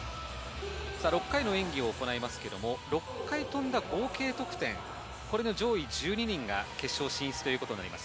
６回の演技を行えますが、６回飛んだ合計得点、これの上位１２人が決勝進出です。